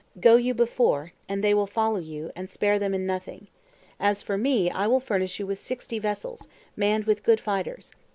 Go you before, and they will follow you; and spare them in nothing. As for me, I will furnish you with sixty vessels, manned with good fighters."